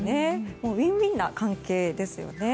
ウィンウィンな関係ですよね。